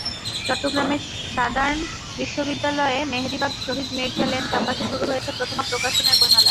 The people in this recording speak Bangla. চট্টগ্রামের সাদার্ন বিশ্ববিদ্যালয়ের মেহেদীবাগ শহীদ মির্জা লেন ক্যাম্পাসে শুরু হয়েছে প্রথমা প্রকাশনের বইমেলা।